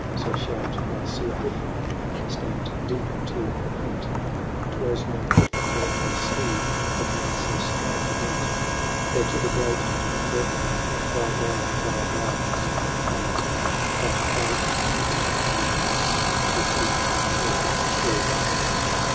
So shalt thou see a hoof mark Stamped deep into the flint : It was no hoof of mortal steed That made so strange a dint : There to the Great Twin Brethren Yow thou thy vows, and pray BATTLE OF THE LAKE REGILLUS. 99 That they, in tempest and in fight, Will keep thy head alway.